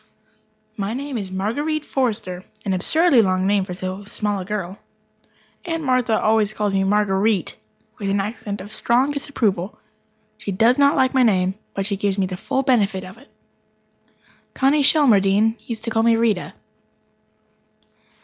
My name is Marguerite Forrester an absurdly long name for so small a girl. Aunt Martha always calls me Marguer_ite_, with an accent of strong disapproval. She does not like my name, but she gives me the full benefit of it. Connie Shelmardine used to call me Rita.